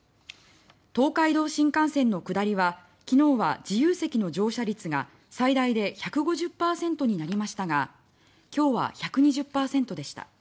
東海道新幹線の下りは昨日は自由席の乗車率が最大で１５０％になりましたが今日は１２０％でした。